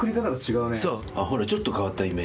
ほらちょっと変わったイメージ。